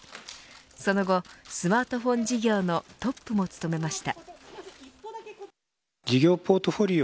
その後、スマートフォン事業のトップも務めました。